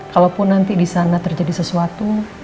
kalaupun nanti di sana terjadi sesuatu